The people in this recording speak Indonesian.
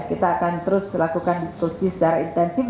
kita akan terus lakukan diskusi secara intensif